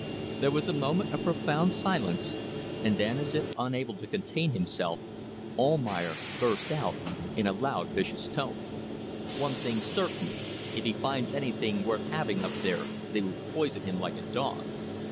There was a moment of profound silence and then as if unable to contain himself Almayer burst out in a loud vicious tone: "One thing's certain; if he finds anything worth having up there they will poison him like a dog."